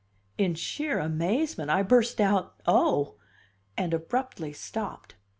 In sheer amazement I burst out, "Oh!" and abruptly stopped.